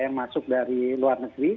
yang masuk dari luar negeri